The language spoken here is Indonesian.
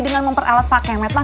dengan memperalat pakemet lah